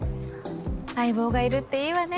相棒がいるっていいわね。